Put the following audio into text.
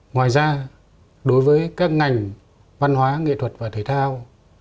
ngoài ra đối với các ngành văn hóa nghệ thuật và thể thao